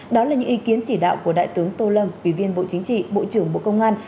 đó là những ý kiến chỉ đạo của đại tướng tô lâm ủy viên bộ chính trị bộ trưởng bộ công an